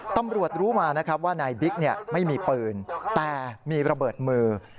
ตำรวจรู้มานะครับว่านายบิ๊กไม่มีปืนแต่มีระเบิดมือ